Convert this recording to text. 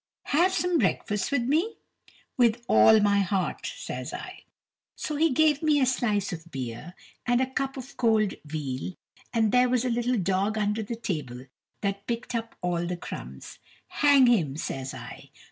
"Have some breakfast with me?" "With all my heart," says I. So he gave me a slice of beer, and a cup of cold veal; and there was a little dog under the table that picked up all the crumbs. "Hang him," says I.